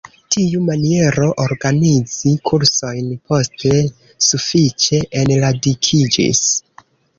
Tiu maniero organizi kursojn poste sufiĉe enradikiĝis.